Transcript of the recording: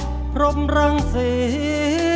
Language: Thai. เพลงพร้อมร้องได้ให้ล้าน